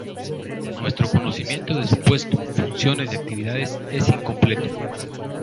Nuestro conocimiento de su puesto, funciones y actividades es incompleto.